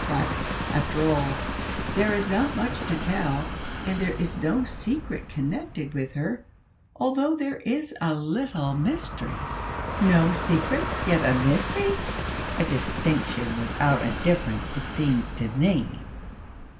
But, after all, there is not much to tell, and there is no secret connected with her, although there is a little mystery." "No secret, yet a mystery! a distinction without a difference, it seems to me."